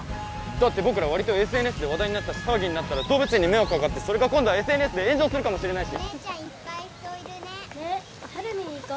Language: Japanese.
だって僕ら割とＳＮＳで話題になったし騒ぎになったら動物園に迷惑かかってそれが今度はＳＮＳで炎上するかもしれないしお姉ちゃんいっぱい人いるねねっサル見に行こうサル